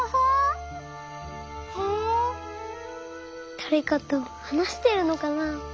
だれかとはなしてるのかな？